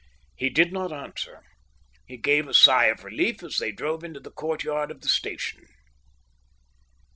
He did not answer. He gave a sigh of relief as they drove into the courtyard of the station.